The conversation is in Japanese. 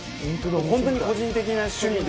本当に個人的な趣味で？